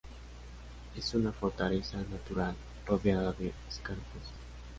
Es una fortaleza natural, rodeada de escarpes.